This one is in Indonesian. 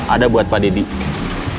ada buat pak deddy